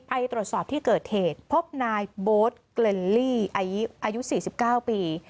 ไปตรวจสอบที่เกิดเทศพบนายโบ๊ทเกลลี่อายุสี่สิบเก้าปี